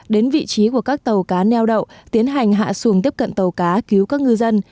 đến vị trí của các tàu cá neo đậu tiến hành hạ xuồng tiếp cận tàu cá cứu các ngư dân